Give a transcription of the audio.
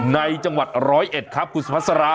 ในจังหวัดร้อยเอ็ดครับคุณสุภาษา